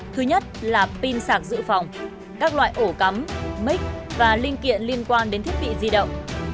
thứ nhất là pin sạc dự phòng các loại ổ cắm mít và linh kiện liên quan đến thiết bị di động